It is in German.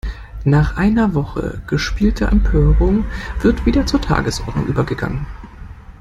Nach einer Woche gespielter Empörung wird wieder zur Tagesordnung übergegangen.